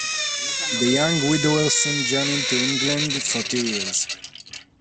The young widower soon journeyed to England for two years.